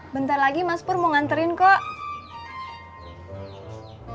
bentar lagi mas pur mau nganterin kok